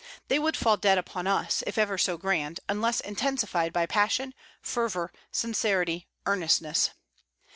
They would fall dead upon us, if ever so grand, unless intensified by passion, fervor, sincerity, earnestness.